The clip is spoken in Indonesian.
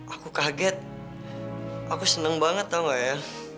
aku kaget aku senang banget tau gak ya